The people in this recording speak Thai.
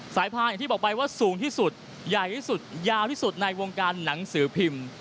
พาอย่างที่บอกไปว่าสูงที่สุดใหญ่ที่สุดยาวที่สุดในวงการหนังสือพิมพ์